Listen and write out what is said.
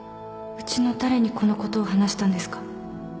うちの誰にこのことを話したんですか？